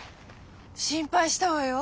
心配したわよ。